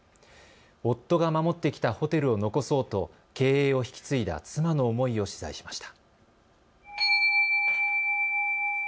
夫が守ってきたホテルを残そうと経営を引き継いだ妻の思いを取材しました。